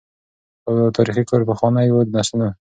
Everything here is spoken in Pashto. تاریخي کور پخوانی وو د نسلونو